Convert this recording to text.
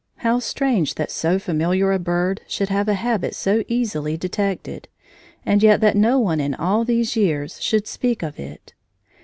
How strange that so familiar a bird should have a habit so easily detected, and yet that no one in all these years should speak of it!